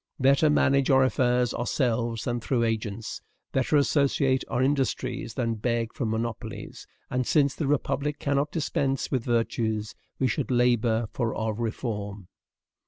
Better manage our affairs ourselves than through agents. Better associate our industries than beg from monopolies; and, since the republic cannot dispense with virtues, we should labor for our reform.